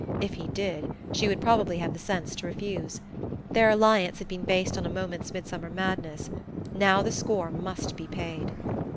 If he did, she would probably have the sense to refuse. Their alliance had been based on a moment's midsummer madness; now the score must be paid....